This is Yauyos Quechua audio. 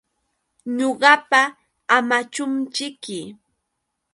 Ñuqapa Amachumćhiki.